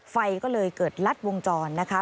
ไฟก็เลยเกิดลัดวงจรนะคะ